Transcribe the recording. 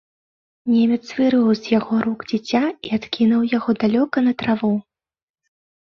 Немец вырваў з яго рук дзіця і адкінуў яго далёка на траву.